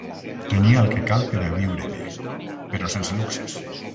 Tenia el que cal per a viure bé, però sense luxes.